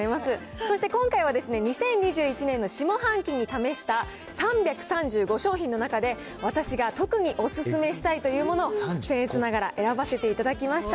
そして今回はですね、２０２１年の下半期に試した３３５商品の中で、私が特にお勧めしたいというものをせん越ながら選ばせていただきました。